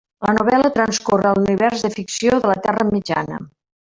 La novel·la transcorre a l'univers de ficció de la Terra Mitjana.